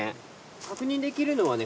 確認できるのはね